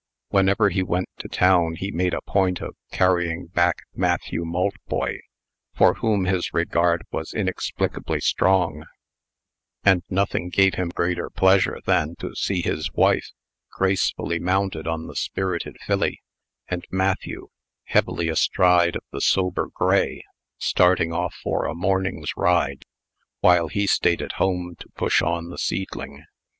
Whenever he went to town, he made a point of carrying back Matthew Maltboy, for whom his regard was inexplicably strong; and nothing gave him greater pleasure than to see his wife, gracefully mounted on the spirited filly, and Matthew, heavily astride of the sober gray, starting off for a morning's ride, while he stayed at home to push on the seedling.